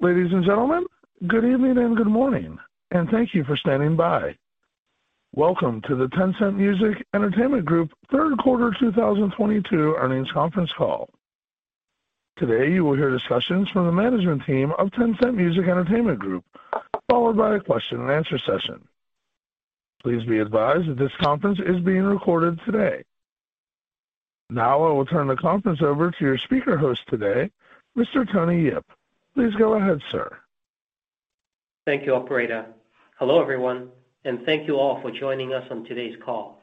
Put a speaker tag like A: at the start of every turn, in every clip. A: Ladies and gentlemen, good evening and good morning, and thank you for standing by. Welcome to the Tencent Music Entertainment Group third quarter 2022 earnings conference call. Today, you will hear discussions from the management team of Tencent Music Entertainment Group, followed by a question and answer session. Please be advised that this conference is being recorded today. Now I will turn the conference over to your speaker host today, Mr. Tony Yip. Please go ahead, sir.
B: Thank you, operator. Hello, everyone, and thank you all for joining us on today's call.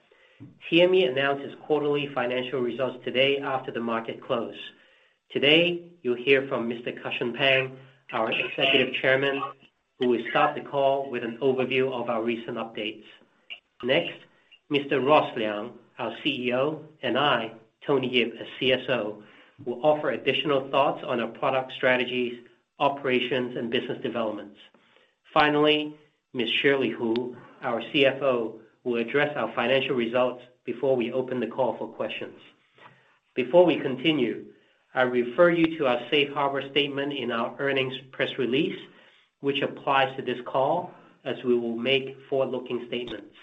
B: TME announced its quarterly financial results today after the market closed. Today, you'll hear from Mr. Cussion Pang, our Executive Chairman, who will start the call with an overview of our recent updates. Next, Mr. Ross Liang, our CEO, and I, Tony Yip, as CSO, will offer additional thoughts on our product strategies, operations, and business developments. Finally, Ms. Shirley Hu, our CFO, will address our financial results before we open the call for questions. Before we continue, I refer you to our safe harbor statement in our earnings press release, which applies to this call as we will make forward-looking statements.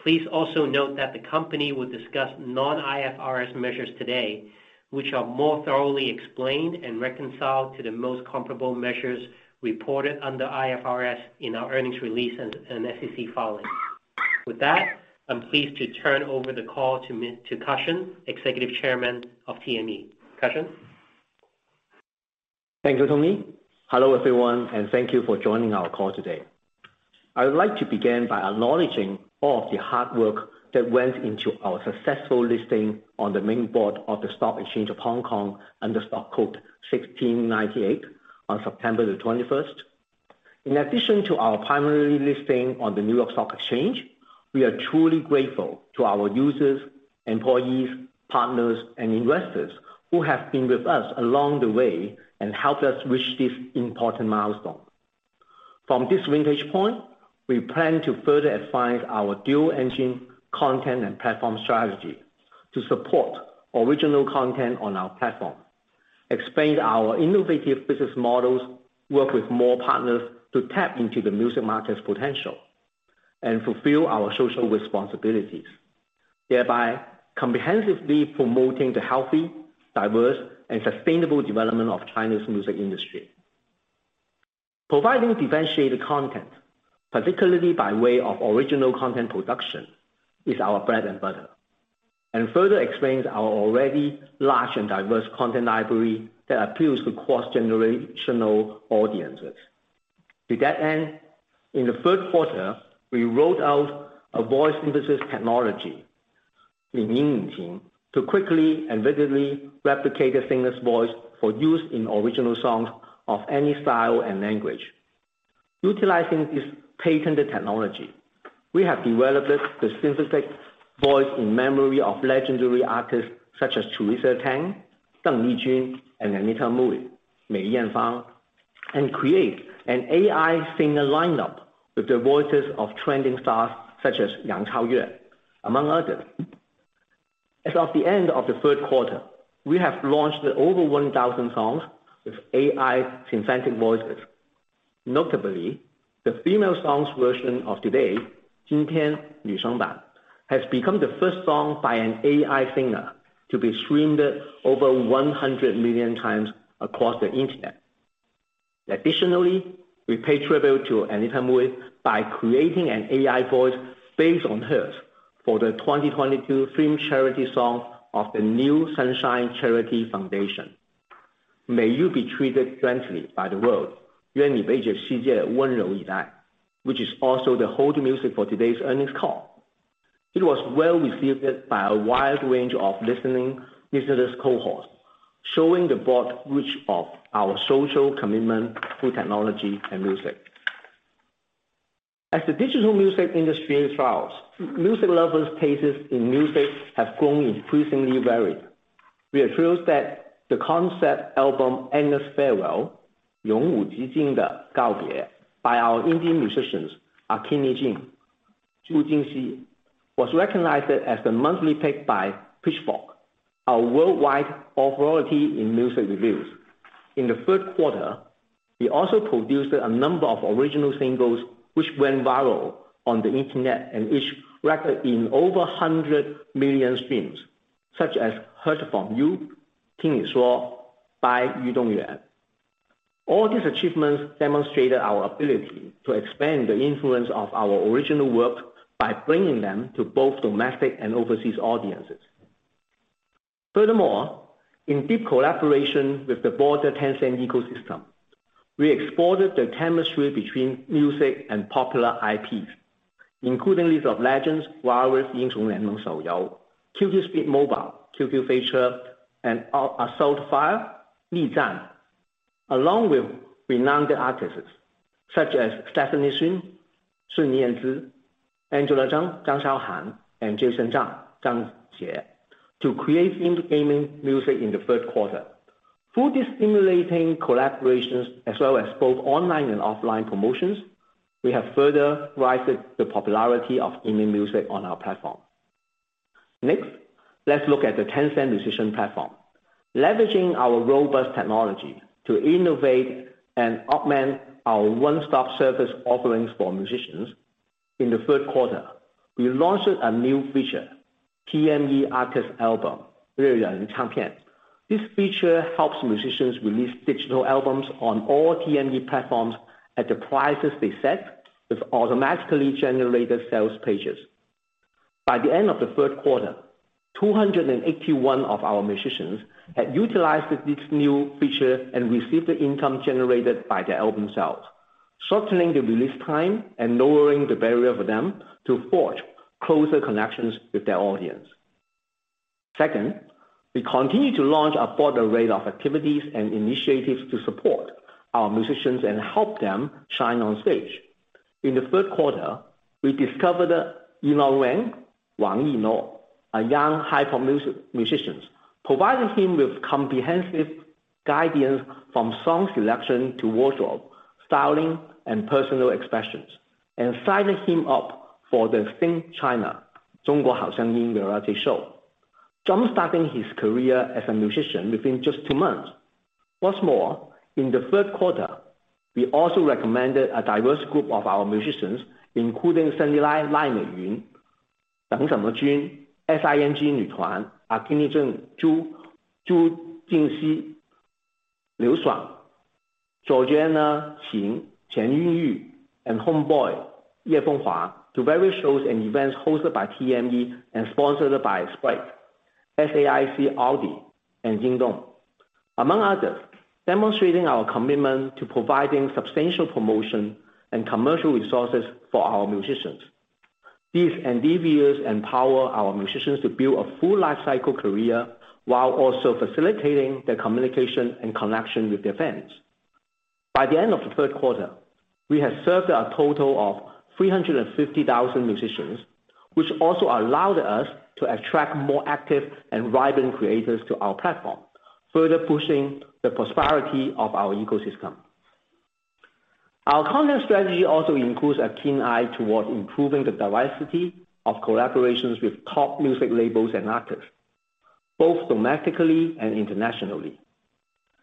B: Please also note that the company will discuss non-IFRS measures today, which are more thoroughly explained and reconciled to the most comparable measures reported under IFRS in our earnings release and SEC filing. With that, I'm pleased to turn over the call to C Pang, Executive Chairman of TME. Cussion?
C: Thank you, Tony. Hello, everyone, and thank you for joining our call today. I would like to begin by acknowledging all of the hard work that went into our successful listing on the main board of the Stock Exchange of Hong Kong under stock code 1698 on September the twenty-first. In addition to our primary listing on the New York Stock Exchange, we are truly grateful to our users, employees, partners, and investors who have been with us along the way and helped us reach this important milestone. From this vantage point, we plan to further advance our dual engine content and platform strategy to support original content on our platform, expand our innovative business models, work with more partners to tap into the music market's potential, and fulfill our social responsibilities, thereby comprehensively promoting the healthy, diverse, and sustainable development of China's music industry. Providing differentiated content, particularly by way of original content production, is our bread and butter, and further expands our already large and diverse content library that appeals to cross-generational audiences. To that end, in the third quarter, we rolled out a voice synthesis technology, to quickly and vividly replicate a singer's voice for use in original songs of any style and language. Utilizing this patented technology, we have developed the synthetic voice in memory of legendary artists such as Teresa Teng, Deng Lijun, and Anita Mui, Mei Yanfang, and create an AI singer lineup with the voices of trending stars such as Yang Chaoyue, among others. As of the end of the third quarter, we have launched over 1,000 songs with AI synthetic voices. Notably, the female songs version of Today has become the first song by an AI singer to be streamed over 100 million times across the internet. Additionally, we paid tribute to Anita Mui by creating an AI voice based on hers for the 2022 theme charity song of the New Sunshine Charity Foundation, May You Be Treated Gently by the World, which is also the hold music for today's earnings call. It was well-received by a wide range of listening visitors cohorts, showing the broad reach of our social commitment through technology and music. As the digital music industry evolves, music lovers' tastes in music have grown increasingly varied. We are thrilled that the concept album Endless Farewell, by our Indian musicians, Akini Jin, Zhu Jingxi, was recognized as the monthly pick by Pitchfork, a worldwide authority in music reviews. In the third quarter, we also produced a number of original singles which went viral on the internet and each recorded over 100 million streams, such as Heard from You. All these achievements demonstrated our ability to expand the influence of our original works by bringing them to both domestic and overseas audiences. Furthermore, in deep collaboration with the broader Tencent ecosystem, we explored the chemistry between music and popular IPs, including League of Legends, QQ Speed Mobile, QQ, [inaudible] and Assault Fire, along with renowned artists such as Stefanie Sun Yanzi, Angela Zhang Shaohan, and Jason Zhang Jie, to create in-game music in the third quarter. Through these stimulating collaborations as well as both online and offline promotions, we have further raised the popularity of in-game music on our platform. Next, let's look at the Tencent decision platform. Leveraging our robust technology to innovate and augment our one-stop service offerings for musicians. In the third quarter, we launched a new feature, TME Artist Album. This feature helps musicians release digital albums on all TME platforms at the prices they set with automatically generated sales pages. By the end of the third quarter, 281 of our musicians had utilized this new feature and received the income generated by their album sales, shortening the release time and lowering the barrier for them to forge closer connections with their audience. Second, we continue to launch a broader range of activities and initiatives to support our musicians and help them shine on stage. In the third quarter, we discovered Roy Wang, a young hyper musicians, providing him with comprehensive guidance from song selection to wardrobe, styling, and personal expressions, and signed him up for the Sing! China variety show, jump-starting his career as a musician within just two months. What's more, in the third quarter, we also recommended a diverse group of our musicians, including Sunnee, Lai Meiyun, Deng Zimo, SING, Akini Jing, Zhu Jingxi, Liu Shuang, Georgina, Qin Yuyu, and Homeboy, Ye Fenghua, to various shows and events hosted by TME and sponsored by Sprite, SAIC Audi, and JD.com. Among others, demonstrating our commitment to providing substantial promotion and commercial resources for our musicians. These endeavors empower our musicians to build a full life cycle career while also facilitating their communication and connection with their fans. By the end of the third quarter, we had served a total of 350,000 musicians, which also allowed us to attract more active and vibrant creators to our platform, further pushing the prosperity of our ecosystem. Our content strategy also includes a keen eye toward improving the diversity of collaborations with top music labels and artists, both domestically and internationally.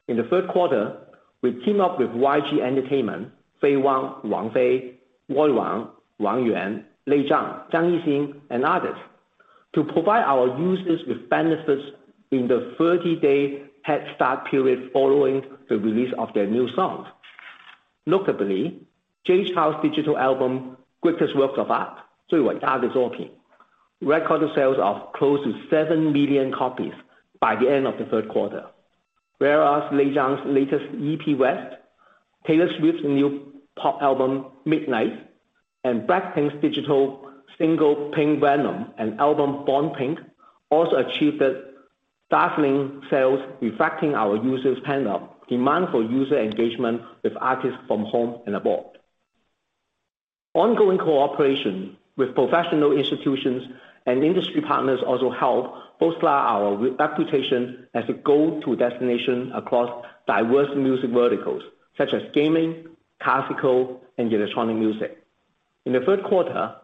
C: In the third quarter, we teamed up with YG Entertainment, Faye Wong, Roy Wang Yuan, Lei Zhang Yixing, and others to provide our users with benefits in the 30-day headstart period following the release of their new songs. Notably, Jay Chou's digital album, Greatest Works of Art, recorded the sales of close to 7 million copies by the end of the third quarter. Whereas Lay Zhang's latest EP, West, Taylor Swift's new pop album, Midnights, and BLACKPINK's digital single, Pink Venom, and album, BORN PINK, also achieved dazzling sales, reflecting our users' pent-up demand for user engagement with artists from home and abroad. Ongoing cooperation with professional institutions and industry partners also help bolster our reputation as a go-to destination across diverse music verticals such as gaming, classical, and electronic music. In the third quarter,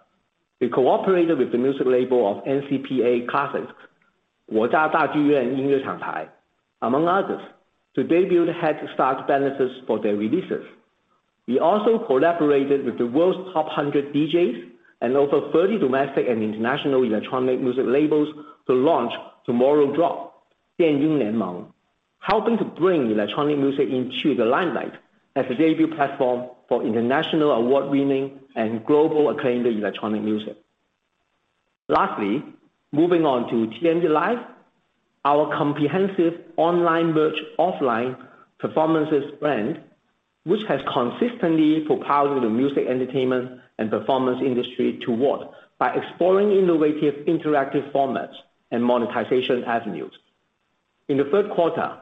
C: we cooperated with the music label of N Classics, Guojia Dajuyuan Yinyue Changpai, among others, to debut headstart benefits for their releases. We also collaborated with the world's top 100 DJs and over 30 domestic and international electronic music labels to launch Tomorrowdrop, Dian Yin Lianmeng, helping to bring electronic music into the limelight as a debut platform for international award-winning and globally acclaimed electronic music. Lastly, moving on to TME Live, our comprehensive online merch, offline performances brand, which has consistently propelling the music, entertainment, and performance industry toward by exploring innovative interactive formats and monetization avenues. In the third quarter,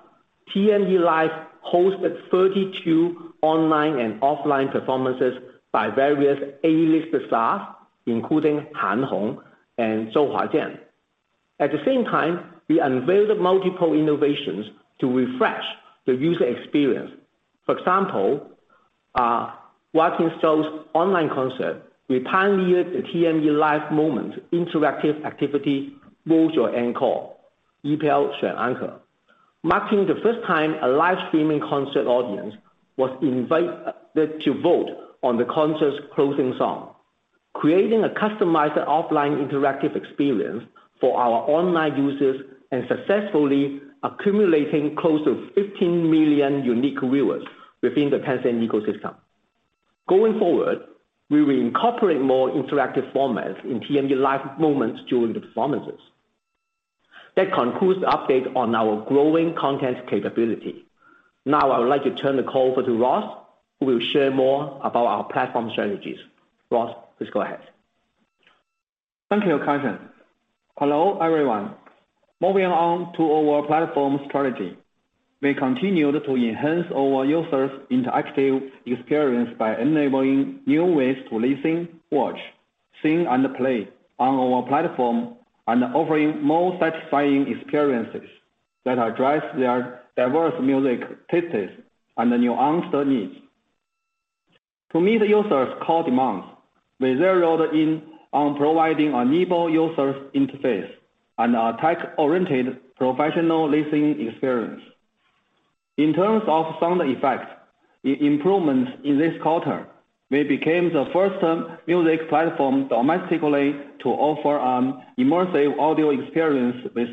C: TME Live hosted 32 online and offline performances by various A-list stars, including Han Hong and Zhou Huajian. At the same time, we unveiled multiple innovations to refresh the user experience. For example, watching Seoul's online concert, we pioneered the TME Live moment interactive activity, Vote Your Encore, Yipiao Xuan Encore. Marking the first time a live streaming concert audience was invited them to vote on the concert's closing song, creating a customized offline interactive experience for our online users and successfully accumulating close to 15 million unique viewers within the Tencent ecosystem. Going forward, we will incorporate more interactive formats in TME Live moments during the performances. That concludes the update on our growing content capability. Now I would like to turn the call over to Ross, who will share more about our platform strategies. Ross, please go ahead.
D: Thank you, Cussion. Hello, everyone. Moving on to our platform strategy. We continued to enhance our users' interactive experience by enabling new ways to listen, watch, sing, and play on our platform, and offering more satisfying experiences that address their diverse music tastes and nuanced needs. To meet users' core demands, we zeroed in on providing a nimble user interface and a tech-oriented professional listening experience. In terms of sound effects, an improvement in this quarter, we became the first music platform domestically to offer immersive audio experience with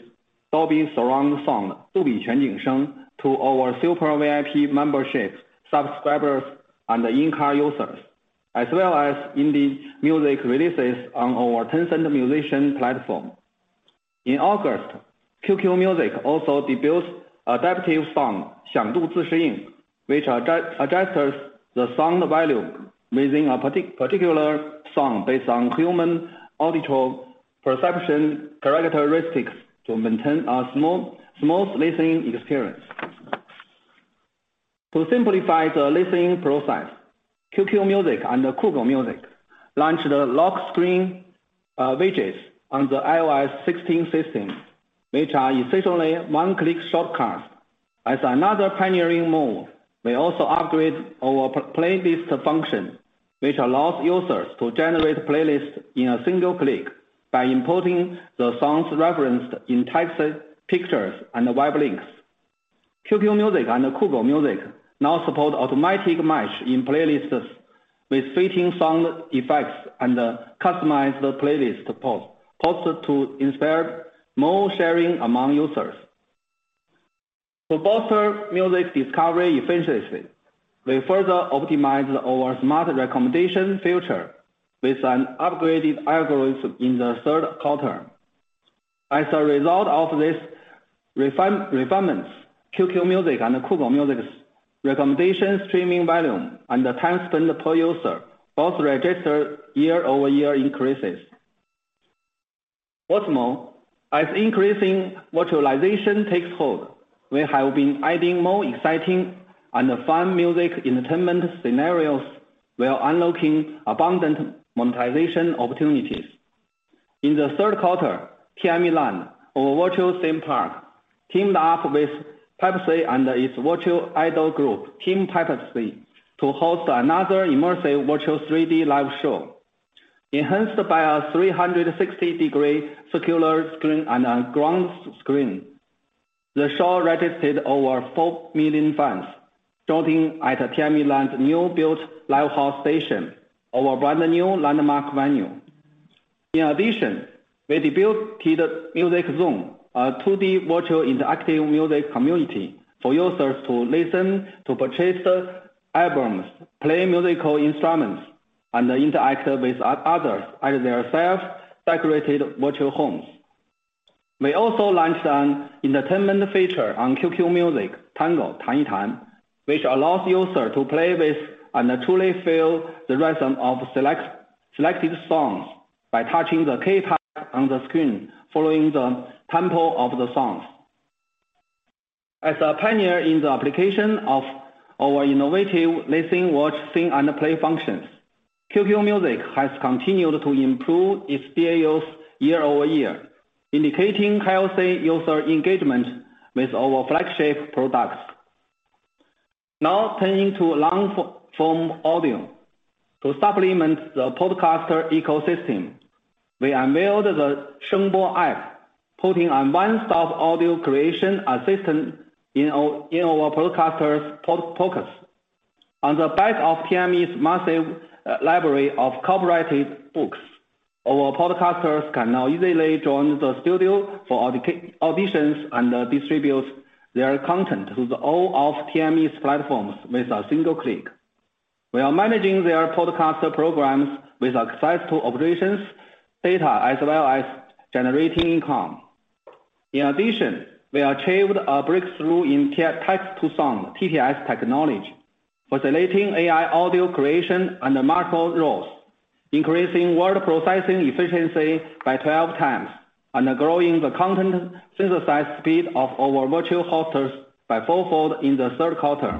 D: Dolby Surround Sound, 到底全景 声, to our Super VIP membership subscribers and in-car users, as well as in the music releases on our Tencent Music platform. In August, QQ Music also debuts Adaptive Sound Adjustment, which adjusts the sound volume within a particular song based on human auditory perception characteristics to maintain a smooth listening experience. To simplify the listening process, QQ Music and Kugou Music launched the lock screen widgets on the iOS 16 system, which are essentially one-click shortcuts. As another pioneering move, we also upgrade our playlist function, which allows users to generate playlists in a single click by importing the songs referenced in text, pictures, and web links. QQ Music and Kugou Music now support automatic match in playlists with fitting sound effects and customized playlist posts to inspire more sharing among users. To bolster music discovery efficiency, we further optimized our smart recommendation feature with an upgraded algorithm in the third quarter. As a result of these refinements, QQ Music and Kugou Music's recommendation streaming volume and the time spent per user both registered year-over-year increases. What's more, as increasing virtualization takes hold, we have been adding more exciting and fun music entertainment scenarios while unlocking abundant monetization opportunities. In the third quarter, TMELAND, our virtual theme park, teamed up with Pepsi and its virtual idol group, TEA PEPSI, to host another immersive virtual 3D live show. Enhanced by a 360-degree circular screen and a ground screen, the show registered over 4 million fans, starting at TMELAND's newly built Lighthouse Station, our brand-new landmark venue. In addition, we debuted Kid's Music Zone, a 2D virtual interactive music community for users to listen, to purchase albums, play musical instruments, and interact with others at their self-decorated virtual homes. We also launched an entertainment feature on QQ Music, 弹一弹, which allows user to play with and truly feel the rhythm of select songs by touching the keypad on the screen, following the tempo of the songs. As a pioneer in the application of our innovative listen, watch, sing, and play functions, QQ Music has continued to improve its DAUs year-over-year, indicating healthy user engagement with our flagship products. Now turning to long-form audio. To supplement the podcaster ecosystem, we unveiled the Sheng Bo app, putting a one-stop audio creation assistant in our podcasters' focus. On the back of TME's massive library of copyrighted books, our podcasters can now easily join the studio for auditions and distribute their content to all of TME's platforms with a single click, while managing their podcaster programs with access to operations data as well as generating income. In addition, we achieved a breakthrough in text-to-sound TTS technology, facilitating AI audio creation and multiple roles, increasing word processing efficiency by 12 times, and growing the content synthesis speed of our virtual hosts by fourfold in the third quarter.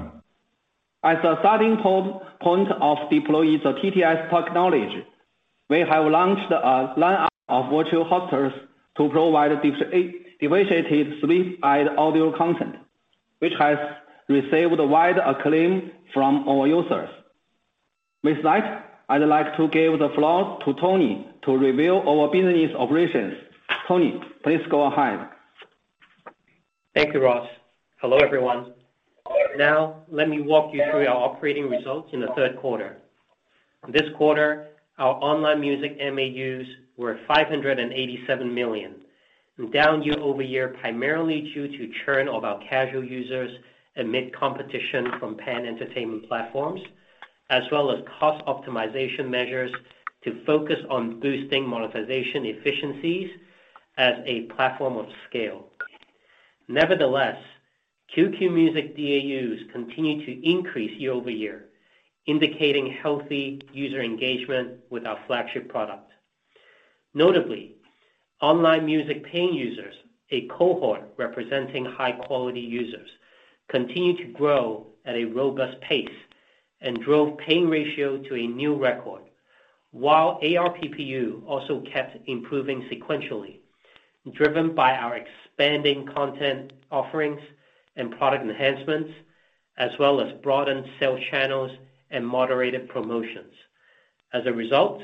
D: As a starting point of deploying the TTS technology, we have launched a lineup of virtual hosts to provide diverse sleep aid audio content, which has received wide acclaim from our users. With that, I'd like to give the floor to Tony to review our business operations. Tony, please go ahead.
B: Thank you, Ross. Hello, everyone. Now, let me walk you through our operating results in the third quarter. This quarter, our online music MAUs were 587 million, down year-over-year primarily due to churn of our casual users amid competition from pan-entertainment platforms, as well as cost optimization measures to focus on boosting monetization efficiencies as a platform of scale. Nevertheless, QQ Music DAUs continue to increase year-over-year, indicating healthy user engagement with our flagship product. Notably, online music paying users, a cohort representing high-quality users, continued to grow at a robust pace and drove paying ratio to a new record, while ARPU also kept improving sequentially. Driven by our expanding content offerings and product enhancements, as well as broadened sales channels and moderated promotions. As a result,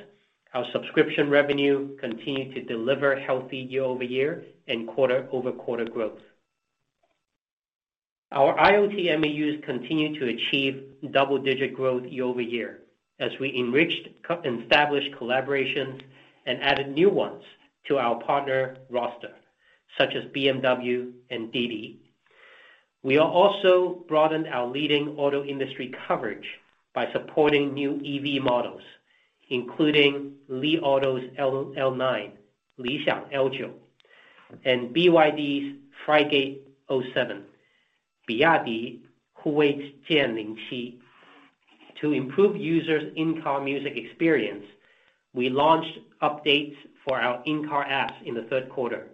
B: our subscription revenue continued to deliver healthy year-over-year and quarter-over-quarter growth. Our IoT MAUs continued to achieve double-digit growth year-over-year as we enriched co-established collaborations and added new ones to our partner roster, such as BMW and DiDi. We also broadened our leading auto industry coverage by supporting new EV models, including Li Auto's L9 and BYD's Frigate 07. To improve users' in-car music experience, we launched updates for our in-car apps in the third quarter,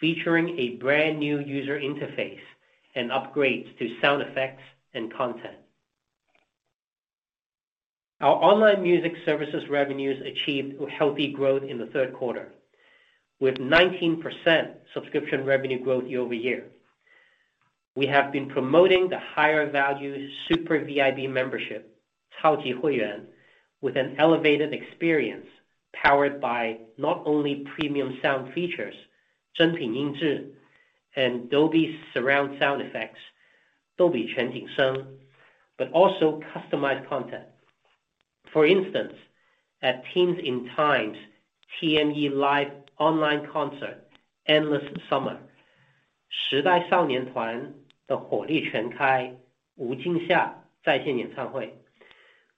B: featuring a brand-new user interface and upgrades to sound effects and content. Our online music services revenues achieved healthy growth in the third quarter, with 19% subscription revenue growth year-over-year. We have been promoting the higher-value Super VIP membership with an elevated experience powered by not only premium sound features and Dolby Surround Sound effects but also customized content. For instance, at Teens in Times TME Live online concert Endless Summer,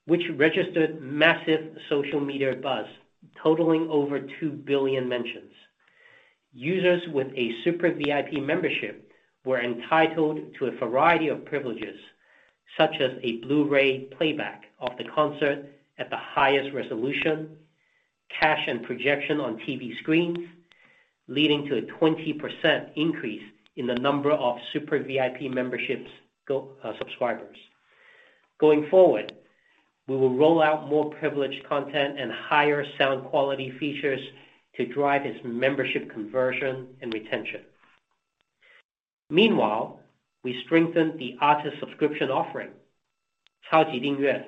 B: which registered massive social media buzz totaling over 2 billion mentions. Users with a Super VIP membership were entitled to a variety of privileges, such as a Blu-ray playback of the concert at the highest resolution, casting and projection on TV screens, leading to a 20% increase in the number of Super VIP memberships subscribers. Going forward, we will roll out more privileged content and higher sound quality features to drive this membership conversion and retention. Meanwhile, we strengthened the artist subscription offering, 超级订阅,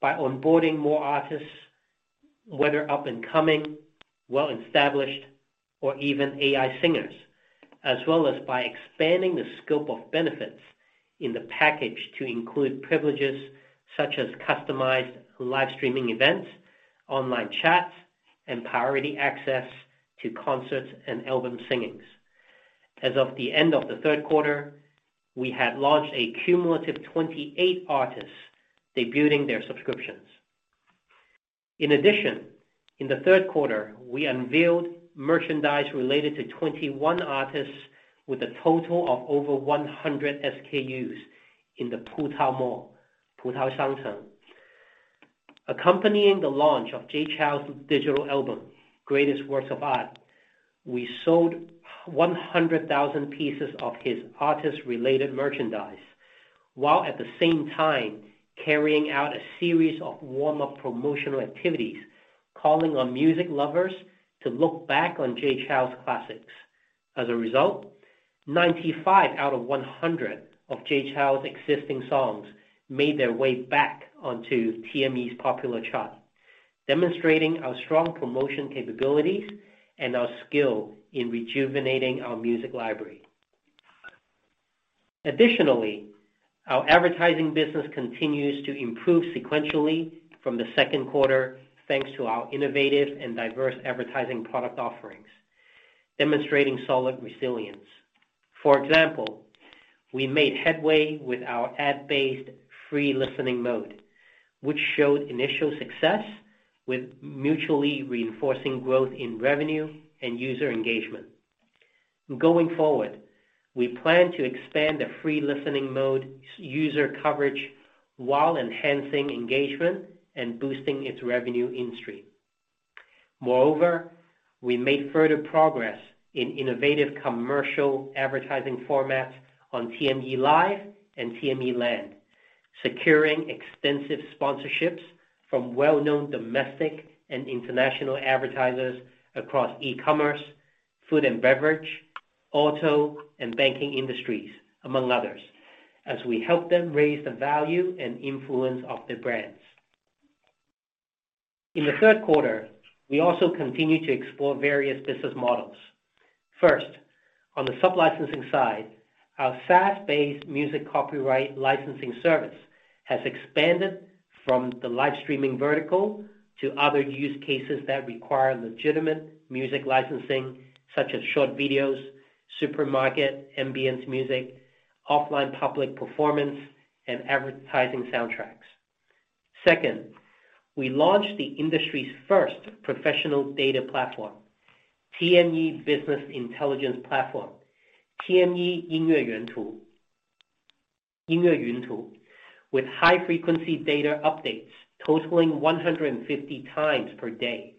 B: by onboarding more artists, whether up-and-coming, well-established, or even AI singers, as well as by expanding the scope of benefits in the package to include privileges such as customized live streaming events, online chats, and priority access to concerts and album signings. As of the end of the third quarter, we had launched a cumulative 28 artists debuting their subscriptions. In addition, in the third quarter, we unveiled merchandise related to 21 artists with a total of over 100 SKUs in the Pu Tao Mall. Accompanying the launch of Jay Chou's digital album, Greatest Works of Art, we sold 100,000 pieces of his artist-related merchandise, while at the same time carrying out a series of warm-up promotional activities, calling on music lovers to look back on Jay Chou's classics. As a result, 95 out of 100 of Jay Chou's existing songs made their way back onto TME's popular chart, demonstrating our strong promotion capabilities and our skill in rejuvenating our music library. Additionally, our advertising business continues to improve sequentially from the second quarter, thanks to our innovative and diverse advertising product offerings, demonstrating solid resilience. For example, we made headway with our ad-based free listening mode, which showed initial success with mutually reinforcing growth in revenue and user engagement. Going forward, we plan to expand the free listening mode user coverage while enhancing engagement and boosting its revenue in-stream. Moreover, we made further progress in innovative commercial advertising formats on TME Live and TMELAND, securing extensive sponsorships from well-known domestic and international advertisers across e-commerce, food and beverage, auto, and banking industries, among others, as we help them raise the value and influence of their brands. In the third quarter, we also continued to explore various business models. First, on the sub-licensing side, our SaaS-based music copyright licensing service has expanded from the live streaming vertical to other use cases that require legitimate music licensing, such as short videos, supermarket, ambience music, offline public performance, and advertising soundtracks. Second, we launched the industry's first professional data platform, TME Business Intelligence Platform, TME 音乐云图, with high-frequency data updates totaling 150 times per day.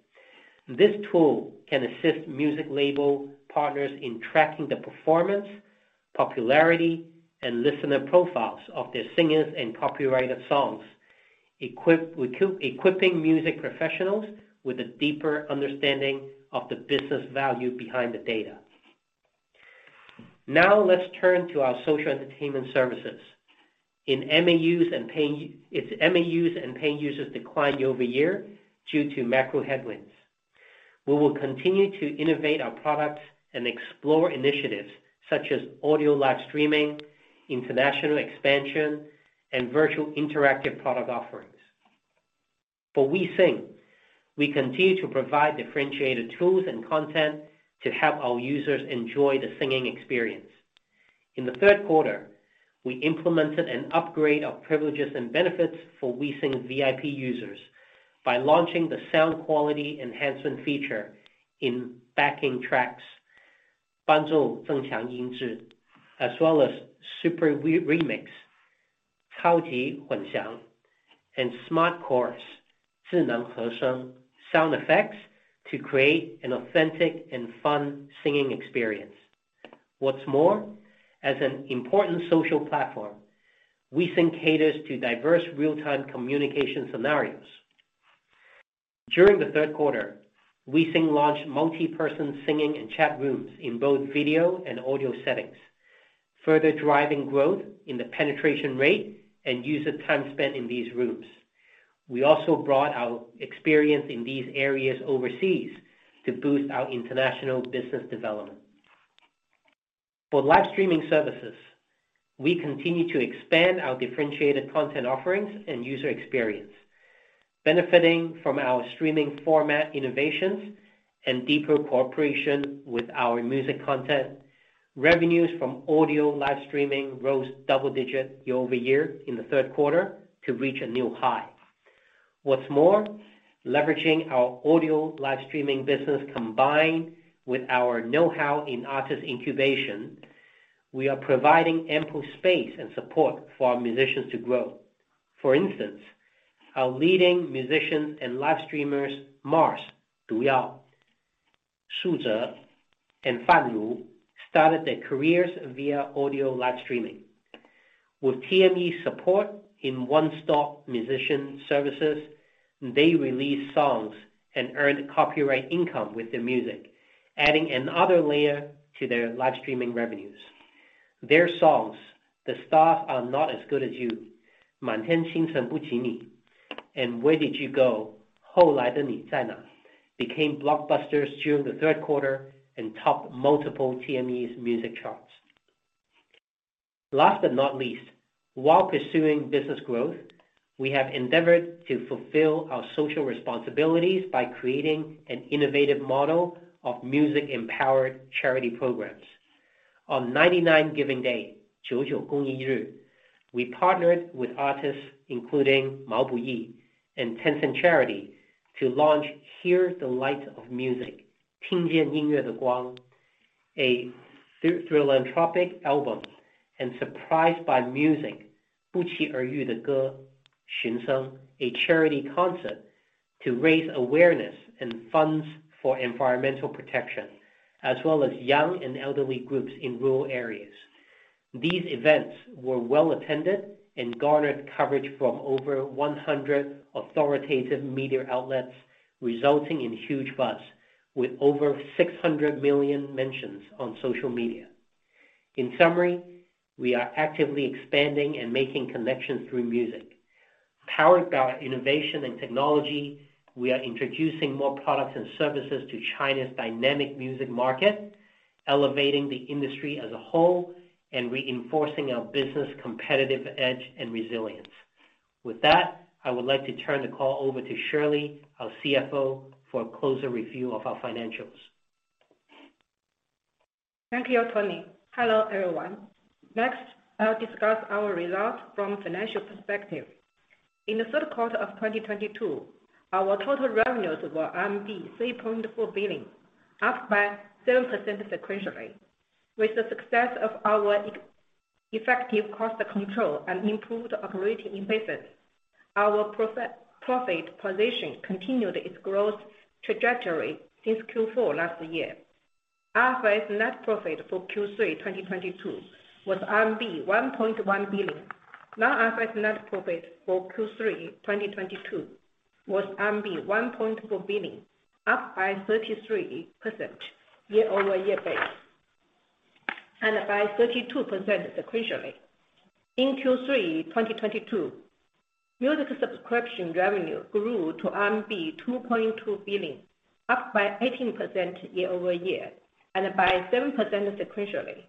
B: This tool can assist music label partners in tracking the performance, popularity, and listener profiles of their singers and copyrighted songs. Equipping music professionals with a deeper understanding of the business value behind the data. Now let's turn to our social entertainment services. Its MAUs and paying users declined year-over-year due to macro headwinds. We will continue to innovate our products and explore initiatives such as audio live streaming, international expansion, and virtual interactive product offerings. For WeSing, we continue to provide differentiated tools and content to help our users enjoy the singing experience. In the third quarter, we implemented an upgrade of privileges and benefits for WeSing VIP users by launching the sound quality enhancement feature in backing tracks, as well as Super WeRemix and Smart Chorus sound effects to create an authentic and fun singing experience. What's more, as an important social platform, WeSing caters to diverse real-time communication scenarios. During the third quarter, WeSing launched multi-person singing and chat rooms in both video and audio settings, further driving growth in the penetration rate and user time spent in these rooms. We also brought our experience in these areas overseas to boost our international business development. For live streaming services, we continue to expand our differentiated content offerings and user experience. Benefiting from our streaming format innovations and deeper cooperation with our music content, revenues from audio live streaming rose double-digit year-over-year in the third quarter to reach a new high. What's more, leveraging our audio live streaming business combined with our know-how in artist incubation, we are providing ample space and support for our musicians to grow. For instance, our leading musicians and live streamers Mars, Duyao, Shuze, and Fanlu started their careers via audio live streaming. With TME's support in one-stop musician services, they released songs and earned copyright income with their music, adding another layer to their live streaming revenues. Their songs, The Stars Are Not As Good As You, 满天星辰不及你, and Where Did You Go, 后来的你在哪, became blockbusters during the third quarter and topped multiple TME's music charts. Last but not least, while pursuing business growth, we have endeavored to fulfill our social responsibilities by creating an innovative model of music-empowered charity programs. On 99 Giving Day, 九九公益 日, we partnered with artists including Mao Buyi and Tencent Charity to launch Hear the Light of Music, 听见音乐的 光, a philanthropic album, and Surprised by Music, 不期而遇的歌-巡 声, a charity concert to raise awareness and funds for environmental protection, as well as young and elderly groups in rural areas. These events were well-attended and garnered coverage from over 100 authoritative media outlets, resulting in huge buzz with over 600 million mentions on social media. In summary, we are actively expanding and making connections through music. Powered by innovation and technology, we are introducing more products and services to China's dynamic music market, elevating the industry as a whole, and reinforcing our business competitive edge and resilience. With that, I would like to turn the call over to Shirley, our CFO, for a closer review of our financials.
E: Thank you, Tony. Hello, everyone. Next, I'll discuss our results from financial perspective. In the third quarter of 2022, our total revenues were 3.4 billion, up by 7% sequentially. With the success of our effective cost control and improved operating efficiency, our profit position continued its growth trajectory since Q4 last year. IFRS net profit for Q3 2022 was CNY 1.1 billion. Non-IFRS net profit for Q3 2022 was RMB 1.4 billion, up by 33% year-over-year basis and by 32% sequentially. In Q3 2022, music subscription revenue grew to RMB 2.2 billion, up by 18% year-over-year and by 7% sequentially.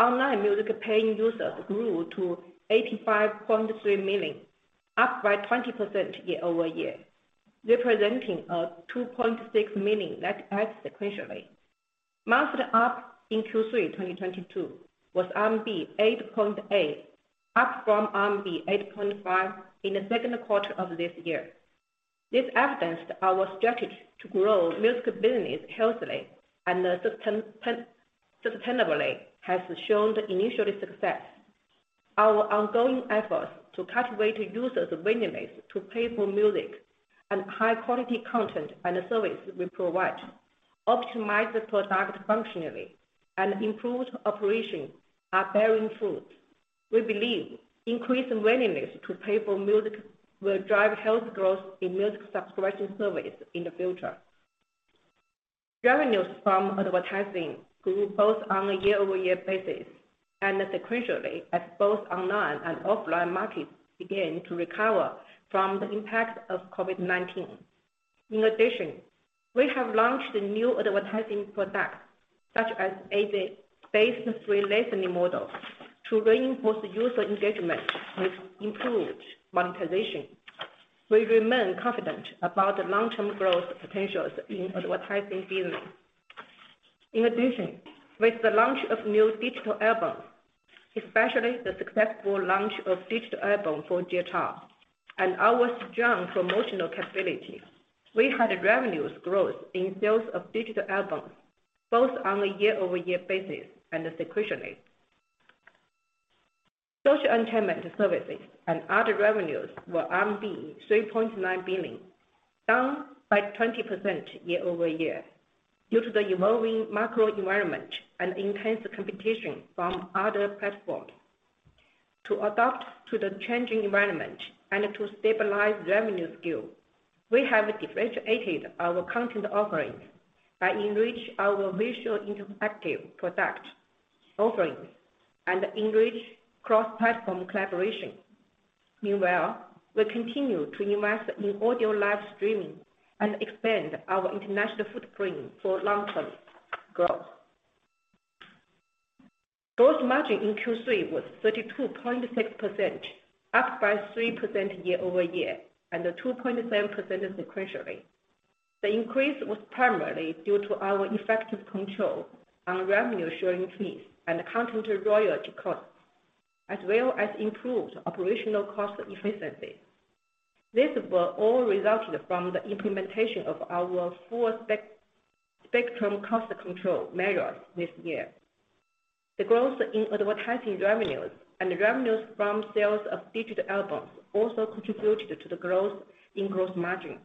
E: Online music paying users grew to 85.3 million, up by 20% year-over-year, representing a 2.6 million net add sequentially. Monthly ARPU in Q3 2022 was RMB 8.8, up from RMB 8.5 in the second quarter of this year. This evidenced our strategy to grow music business healthily and sustainably has shown initial success. Our ongoing efforts to cultivate users' willingness to pay for music and high-quality content and service we provide, optimize the product functionally and improve operations are bearing fruit. We believe increased willingness to pay for music will drive healthy growth in music subscription service in the future. Revenues from advertising grew both on a year-over-year basis and sequentially as both online and offline markets began to recover from the impact of COVID-19. In addition, we have launched new advertising products such as AD-based free listening model to reinforce user engagement with improved monetization. We remain confident about the long-term growth potential in advertising business. In addition, with the launch of new digital albums, especially the successful launch of digital album for and our strong promotional capabilities, we had revenue growth in sales of digital albums, both on a year-over-year basis and sequentially. Social entertainment services and other revenues were RMB 3.9 billion, down 20% year-over-year due to the evolving macro environment and intense competition from other platforms. To adapt to the changing environment and to stabilize revenue scale, we have differentiated our content offerings by enriching our visual interactive product offerings and enriching cross-platform collaboration. Meanwhile, we continue to invest in audio live streaming and expand our international footprint for long-term growth. Gross margin in Q3 was 32.6%, up 3% year-over-year and 2.7% sequentially. The increase was primarily due to our effective control on revenue sharing fees and content royalty costs, as well as improved operational cost efficiency. These were all resulted from the implementation of our full-spectrum cost control measures this year. The growth in advertising revenues and revenues from sales of digital albums also contributed to the growth in gross margin.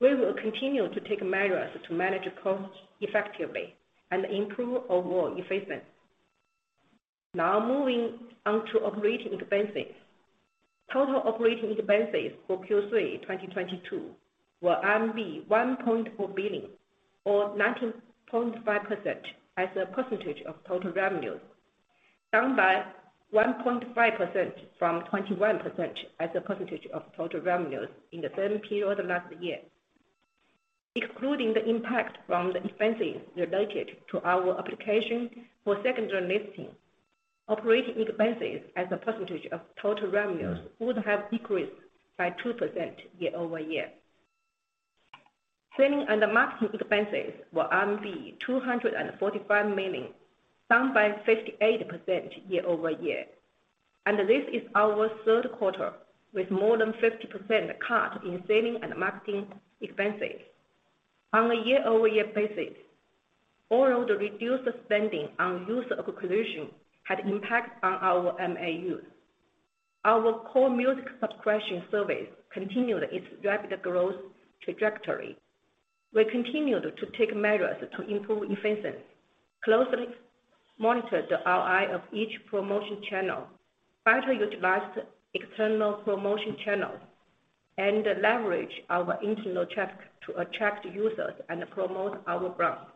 E: We will continue to take measures to manage costs effectively and improve overall efficiency. Now moving on to operating expenses. Total operating expenses for Q3 2022 were RMB 1.4 billion or 19.5% as a percentage of total revenues, down by 1.5% from 21% as a percentage of total revenues in the same period last year. Excluding the impact from the expenses related to our application for secondary listing, operating expenses as a percentage of total revenues would have decreased by 2% year-over-year. Selling and marketing expenses were 245 million, down by 58% year-over-year. This is our third quarter with more than 50% cut in selling and marketing expenses. On a year-over-year basis, although the reduced spending on user acquisition had impact on our MAUs, our core music subscription service continued its rapid growth trajectory. We continued to take measures to improve efficiency, closely monitor the ROI of each promotion channel, better utilize external promotion channels, and leverage our internal traffic to attract users and promote our brands.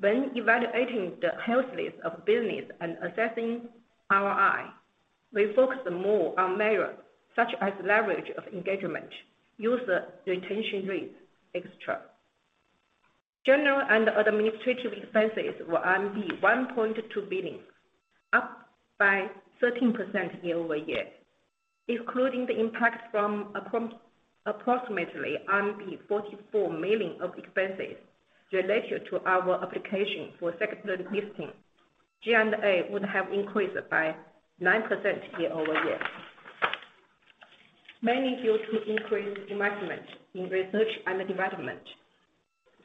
E: When evaluating the healthiness of business and assessing ROI, we focus more on measures such as leverage of engagement, user retention rates, et cetera. General and administrative expenses were 1.2 billion, up by 13% year-over-year. Excluding the impact from approximately 44 million of expenses related to our application for secondary listing, G&A would have increased by 9% year-over-year, mainly due to increased investment in research and development.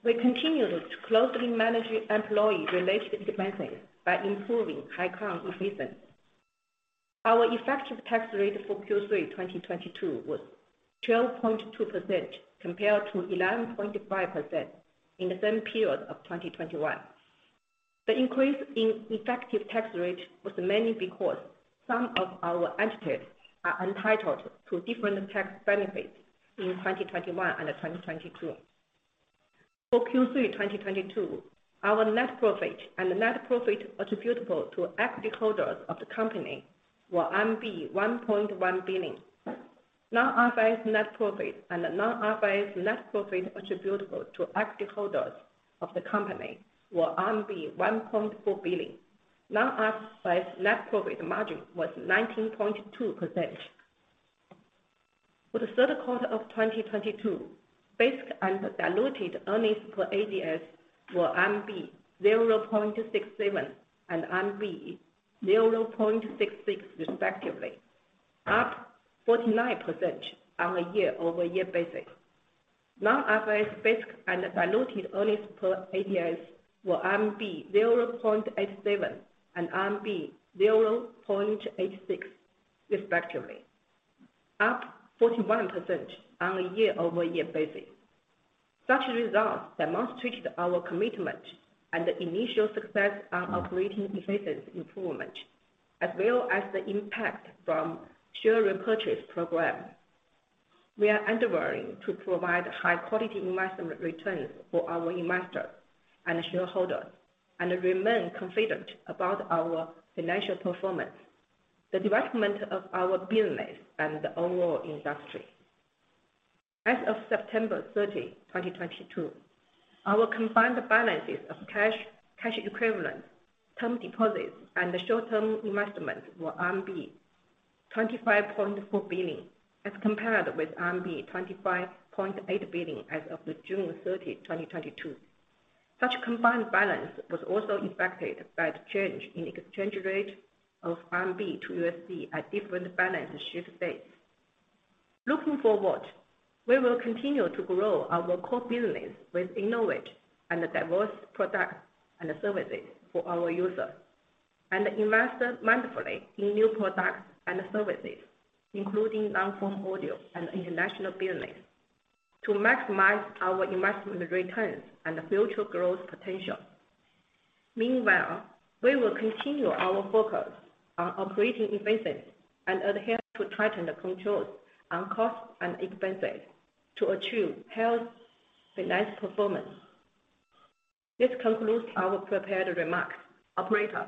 E: We continued to closely manage employee-related expenses by improving headcount efficiency. Our effective tax rate for Q3 2022 was 12.2% compared to 11.5% in the same period of 2021. The increase in effective tax rate was mainly because some of our entities are entitled to different tax benefits in 2021 and 2022. For Q3 2022, our net profit and net profit attributable to equity holders of the company were 1.1 billion. Non-IFRS net profit and non-IFRS net profit attributable to equity holders of the company were 1.4 billion. Non-IFRS net profit margin was 19.2%. For the third quarter of 2022, basic and diluted earnings per ADS were 0.67 and 0.66 respectively, up 49% on a year-over-year basis. Non-IFRS basic and diluted earnings per ADS were RMB 0.87 and RMB 0.86 respectively. Up 41% on a year-over-year basis. Such results demonstrated our commitment and the initial success on operating efficiency improvement, as well as the impact from share repurchase program. We are endeavoring to provide high quality investment returns for our investors and shareholders, and remain confident about our financial performance, the development of our business and the overall industry. As of September 30, 2022, our combined balances of cash equivalents, term deposits, and short-term investments were RMB 25.4 billion, as compared with RMB 25.8 billion as of June 30, 2022. Such combined balance was also impacted by the change in exchange rate of RMB to USD at different balance sheet dates. Looking forward, we will continue to grow our core business with innovative and diverse products and services for our users, and invest mindfully in new products and services, including long-form audio and international business, to maximize our investment returns and future growth potential. Meanwhile, we will continue our focus on operating efficiency and adhere to tightened controls on costs and expenses to achieve healthy business performance. This concludes our prepared remarks. Operator,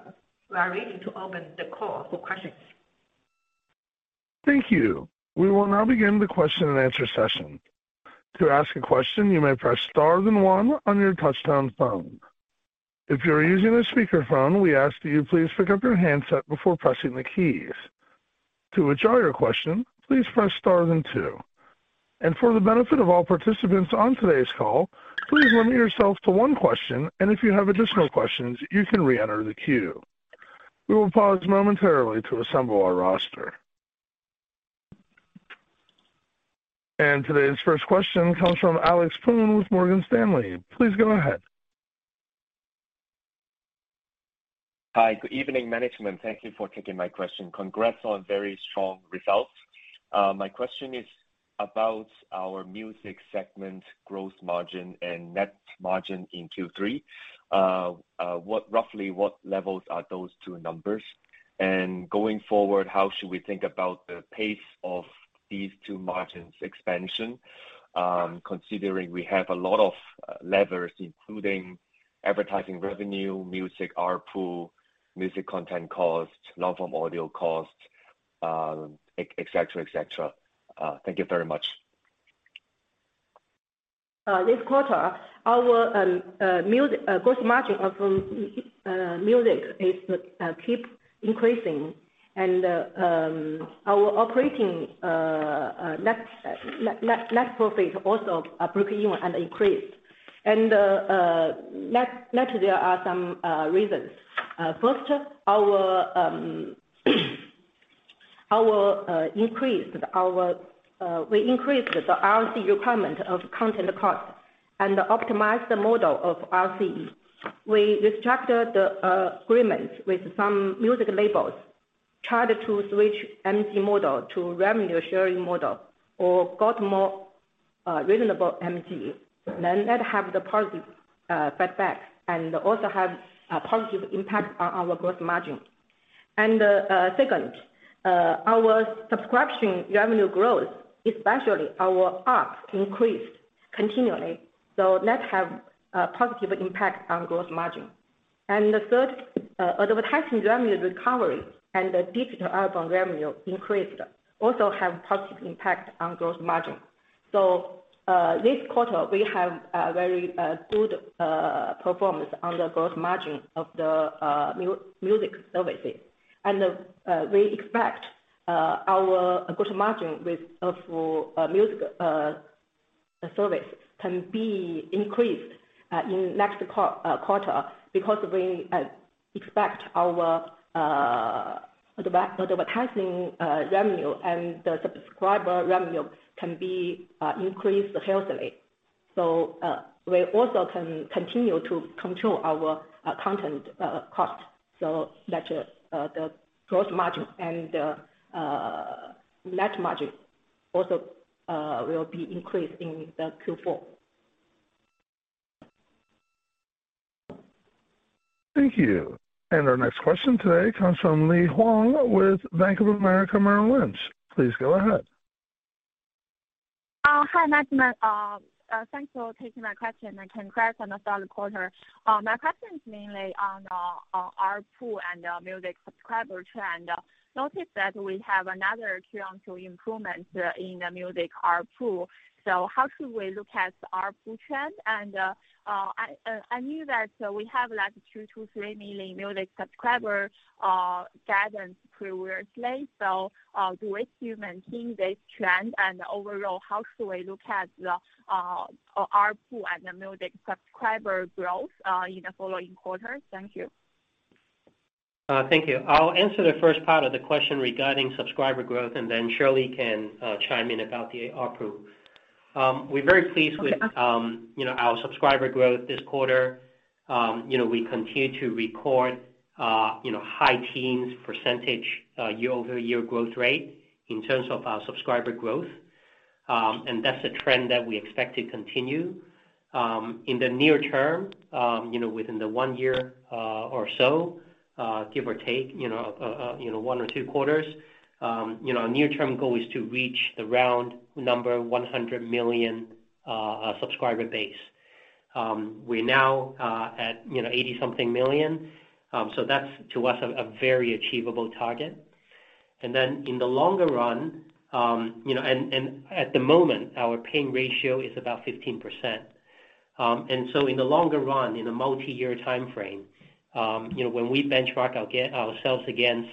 E: we are ready to open the call for questions.
A: Thank you. We will now begin the question and answer session. To ask a question, you may press star then one on your touch-tone phone. If you are using a speakerphone, we ask that you please pick up your handset before pressing the keys. To withdraw your question, please press star then two. For the benefit of all participants on today's call, please limit yourselves to one question, and if you have additional questions, you can reenter the queue. We will pause momentarily to assemble our roster. Today's first question comes from Alex Poon with Morgan Stanley. Please go ahead.
F: Hi. Good evening, management. Thank you for taking my question. Congrats on very strong results. My question is about our music segment gross margin and net margin in Q3. Roughly, what levels are those two numbers? Going forward, how should we think about the pace of these two margins expansion, considering we have a lot of levers, including advertising revenue, music ARPU, music content cost, long-form audio cost, et cetera, et cetera. Thank you very much.
E: This quarter, our gross margin of music is keep increasing and our operating net profit also break even and increased. There are some reasons. First, we increased the ROI requirement of content cost and optimized the model of ROI. We restructured the agreement with some music labels, tried to switch MG model to revenue sharing model, or got more reasonable MG. Then that have the positive feedback, and also have a positive impact on our gross margin. Second, our subscription revenue growth, especially our ARPU, increased continually, so that have a positive impact on gross margin. The third, advertising revenue recovery and the digital album revenue increased, also have positive impact on gross margin. This quarter, we have a very good performance on the gross margin of the music services. We expect our gross margin for music services can be increased in next quarter because we expect our advertising revenue and the subscription revenue can be increased healthily. We also can continue to control our content cost, so that the gross margin and net margin also will be increased in the Q4.
A: Thank you. Our next question today comes from Li Huang with Bank of America Merrill Lynch. Please go ahead.
G: Hi management. Thanks for taking my question, and congrats on a solid quarter. My question is mainly on ARPU and music subscriber trend. Noticed that we have another quarter-on-quarter improvement in the music ARPU. How should we look at ARPU trend? I knew that we have like 2-3 million music subscribers guidance previously. Do you maintain this trend? And overall, how should we look at the ARPU and the music subscriber growth in the following quarters? Thank you.
B: Thank you. I'll answer the first part of the question regarding subscriber growth, and then Shirley can chime in about the ARPU. We're very pleased with, you know, our subscriber growth this quarter. You know, we continue to record, you know, high-teens % year-over-year growth rate in terms of our subscriber growth. That's a trend that we expect to continue. In the near term, you know, within the one year or so, give or take, you know, one or two quarters, you know, our near-term goal is to reach the round number 100 million subscriber base. We're now at, you know, eighty-something million, so that's, to us, a very achievable target. In the longer run, you know. At the moment, our paying ratio is about 15%. In the longer run, in a multi-year timeframe, you know, when we benchmark ourselves against